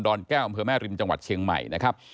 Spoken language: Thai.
อนแก้วอำเภอแม่ริมจังหวัดเชียงใหม่นะครับ